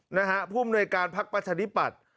นะฮะผู้อำนวยการพักประชาธิปัตย์